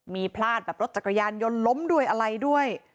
มีพลาดแบบรถจักรยานยนต์ล้มด้วยอะไรด้วย